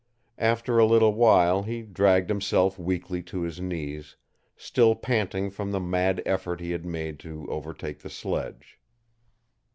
After a little while he dragged himself weakly to his knees, still panting from the mad effort he had made to overtake the sledge.